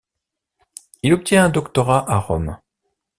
Il obtient un doctorat à Rome.